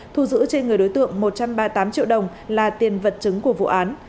thu giữ trên người đối tượng một trăm ba mươi tám triệu đồng là tiền vật chứng của vụ án